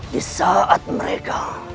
di saat mereka